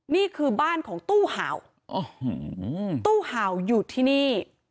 นี่คือบ้านของตู้เห่าตู้เห่าอยู่ที่นี่